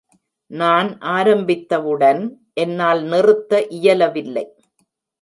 நான் ஆரம்பித்தவுடன், என்னால் நிறுத்த இயலவில்லை.